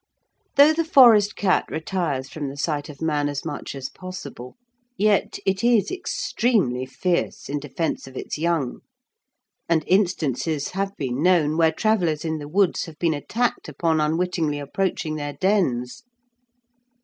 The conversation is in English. Though the forest cat retires from the sight of man as much as possible, yet it is extremely fierce in defence of its young, and instances have been known where travellers in the woods have been attacked upon unwittingly approaching their dens.